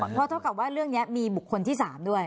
เพราะเท่ากับว่าเรื่องนี้มีบุคคลที่๓ด้วย